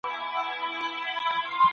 د لويي جرګې ګډونوال ولي له لېرې سیمو راځي؟